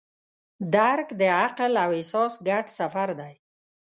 درک د عقل او احساس ګډ سفر دی.